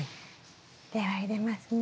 では入れますね。